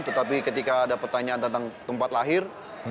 tetapi ketika ada pertanyaan tentang tempat lahir